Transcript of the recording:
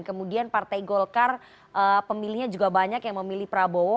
kemudian partai golkar pemilihnya juga banyak yang memilih prabowo